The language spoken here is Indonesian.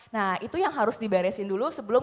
nah itu yang harus diberesin dulu sebelum